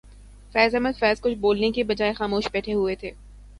فیض احمد فیض کچھ بولنے کی بجائے خاموش بیٹھے ہوئے تھے